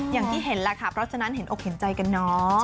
อย่างที่เห็นแหละค่ะเพราะฉะนั้นเห็นอกเห็นใจกันเนาะ